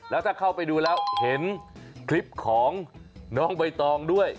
แล้วถ้าเข้าไปดูแล้วเห็นคลิปของน้องใบตองด้วย